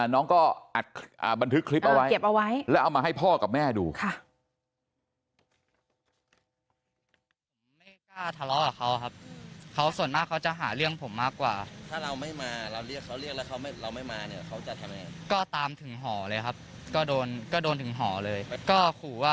น้องก็อัดบันทึกคลิปเอาไว้แล้วเอามาให้พ่อกับแม่ดู